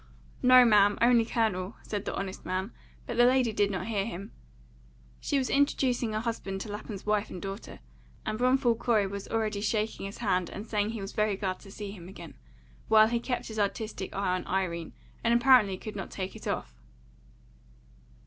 "No, ma'am, only Colonel," said the honest man, but the lady did not hear him. She was introducing her husband to Lapham's wife and daughter, and Bromfield Corey was already shaking his hand and saying he was very glad to see him again, while he kept his artistic eye on Irene, and apparently could not take it off.